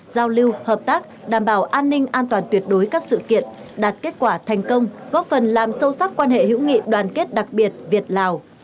giao lưu hợp tác đảm bảo an ninh an toàn tuyệt đối các sự kiện đạt kết quả thành công góp phần làm sâu sắc quan hệ hữu nghị đoàn kết đặc biệt việt lào